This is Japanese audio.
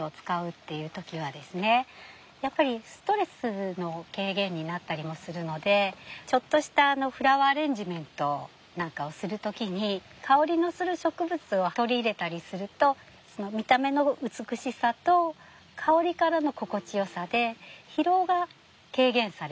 やっぱりストレスの軽減になったりもするのでちょっとしたフラワーアレンジメントなんかをする時に香りのする植物を取り入れたりすると見た目の美しさと香りからの心地よさで疲労が軽減されて。